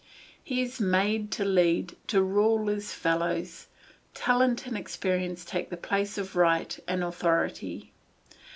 He is made to lead, to rule his fellows; talent and experience take the place of right and authority.